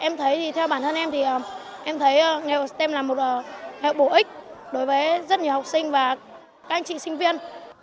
em thấy thì theo bản thân em thì em thấy nghề stem là một bổ ích đối với rất nhiều học sinh và các anh chị sinh viên